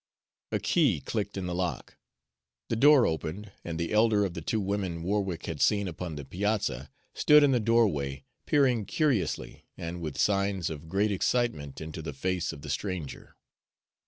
A key clicked in the lock. The door opened, and the elder of the two women Warwick had seen upon the piazza stood in the doorway, peering curiously and with signs of great excitement into the face of the stranger.